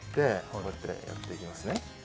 こうやってやっていきますね。